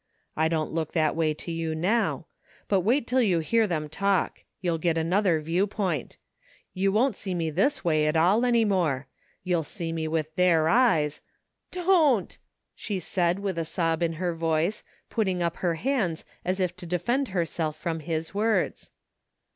I don't look that way to you now. But wait till you hear them talk. You'll get another view point You won't see me this way at all any more. You'll see me with their eyes ^"'' DofCt! '' she said with a sob in her voice, putting up her hands as if to defend herself from his words.